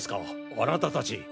あなたたち。